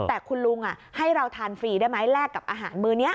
แต่คุณลุงให้เราทานฟรีได้ไหมแลกกับอาหารมือนี้